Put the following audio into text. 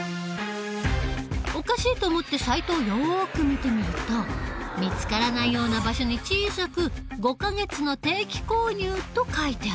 おかしいと思ってサイトをよく見てみると見つからないような場所に小さく５か月の定期購入と書いてあった。